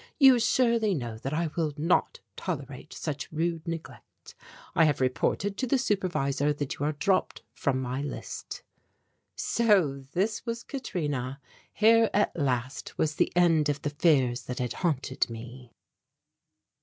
You surely know that I will not tolerate such rude neglect. I have reported to the Supervisor that you are dropped from my list." So this was Katrina! Here at last was the end of the fears that had haunted me.